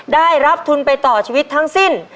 ได้รับทุนไปต่อชีวิตทั้งสิ้น